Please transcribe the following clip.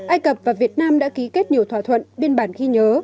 ai cập và việt nam đã ký kết nhiều thỏa thuận biên bản ghi nhớ